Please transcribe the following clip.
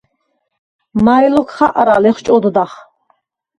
“მაჲ ლოქ ხაყრა?” ლეხჭოდდახ.